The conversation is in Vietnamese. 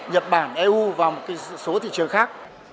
nhật bản eu và một số thị trường khác